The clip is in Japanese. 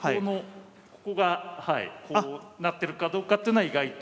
ここがこうなってるかどうかっていうのは意外と。